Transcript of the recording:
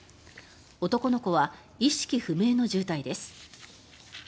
男の子は意識不明の重体です。